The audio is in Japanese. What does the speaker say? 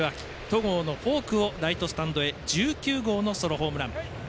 戸郷のフォークをライトスタンドへ１９号のソロホームラン。